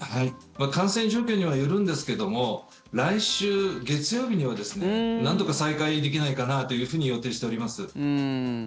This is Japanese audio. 感染状況にはよるんですけども来週月曜日には、なんとか再開できないかなというふうに予定しております。